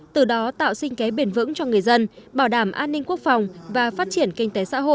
từ đó tạo sinh kế bền vững cho người dân bảo đảm an ninh quốc phòng và phát triển kinh tế xã hội tại các địa phương